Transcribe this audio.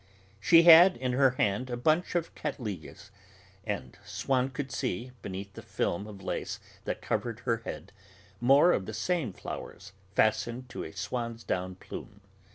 She had in her hand a bunch of cattleyas, and Swann could see, beneath the film of lace that covered her head, more of the same flowers fastened to a swansdown plume.